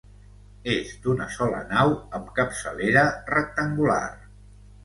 És d'una sola nau amb capçalera rectangular.